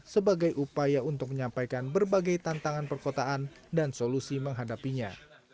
sebagai upaya untuk menyampaikan berbagai tantangan perkotaan dan solusi menghadapinya